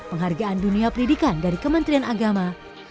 penghargaan dunia pendidikan dari kementerian agama